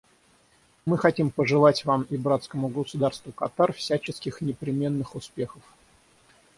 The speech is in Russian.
Мы хотим пожелать Вам и братскому государству Катар всяческих непременных успехов.